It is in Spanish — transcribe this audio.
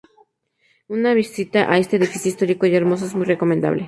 Una visita a este edificio histórico y hermoso es muy recomendable.